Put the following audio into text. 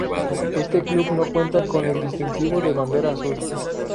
Este club no cuenta con el distintivo de Bandera Azul.